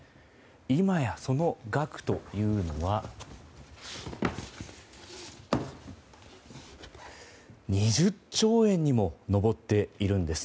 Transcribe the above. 今や、その額は２０兆円にも上っているんです。